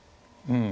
うん。